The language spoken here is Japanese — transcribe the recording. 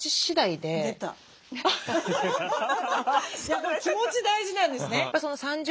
やっぱり気持ち大事なんですね。